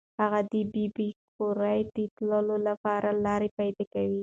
هغه د ببۍ کور ته د تللو لپاره لاره پیدا کړه.